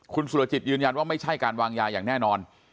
คุณสุรจิตยืนยันว่าไม่ใช่การวางยาอย่างแน่นอน